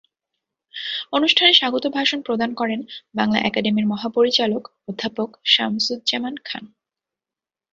অনুষ্ঠানে স্বাগত ভাষণ প্রদান করেন বাংলা একাডেমির মহাপরিচালক অধ্যাপক শামসুজ্জামান খান।